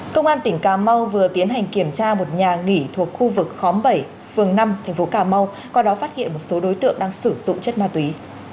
công an tỉnh cà mau vừa tiến hành kiểm tra một nhà nghỉ thuộc khu vực khóm bảy phường năm tp cà mau qua đó phát hiện một số đối tượng đang sử dụng chất ma túy